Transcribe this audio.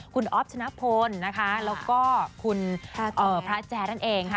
คุณอ๊อฟชนะพลแล้วก็พระแจ้ท่านเอง